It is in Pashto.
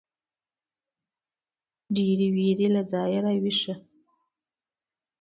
ډېـرې وېـرې له ځايـه راويـښه.